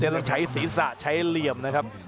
ไม่ได้ใช้ศีรษะใช้เลี่ยมนะครับ